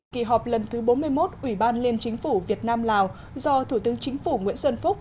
kỳ họp lần thứ bốn mươi một ủy ban liên chính phủ việt nam lào do thủ tướng chính phủ nguyễn xuân phúc